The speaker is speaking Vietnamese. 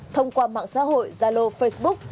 thông qua mạng xã hội zalo facebook